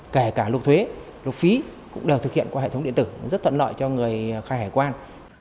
kể cả lục thuế lục phí cũng đều thực hiện qua hệ thống điện tử rất thuận lợi cho người khai hải quan